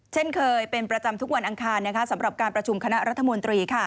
เช่นเคยเป็นประจำทุกวันอังคารสำหรับการประชุมคณะรัฐมนตรี